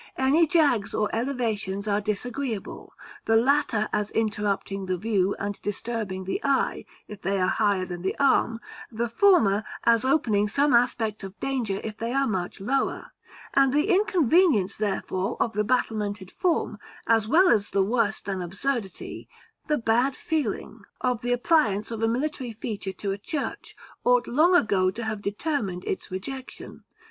Any jags or elevations are disagreeable; the latter, as interrupting the view and disturbing the eye, if they are higher than the arm, the former, as opening some aspect of danger if they are much lower; and the inconvenience, therefore, of the battlemented form, as well as the worse than absurdity, the bad feeling, of the appliance of a military feature to a church, ought long ago to have determined its rejection.